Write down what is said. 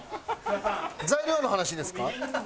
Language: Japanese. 材料の話ですか？